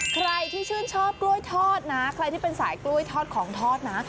ใครที่ชื่นชอบกล้วยทอดนะใครที่เป็นสายกล้วยทอดของทอดนะ